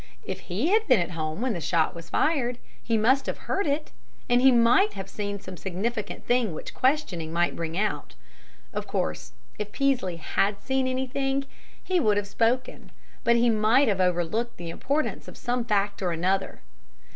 If he had been at home when the shot was fired, he must have heard it, and he might have seen some significant thing which questioning might bring out. Of course, if Peaslee had seen anything, he would have spoken, but he might have overlooked the importance of some fact or other.